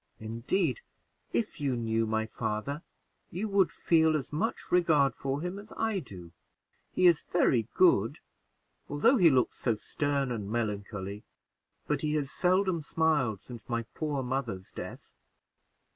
Indeed, if you knew my father, you would feel as much regard for him as I do. He is very good, although he looks so stern and melancholy; but he has seldom smiled since my poor mother's death."